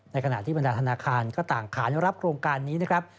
ขณะที่บรรดาธนาคารก็ต่างขานรับโครงการนี้นะครับ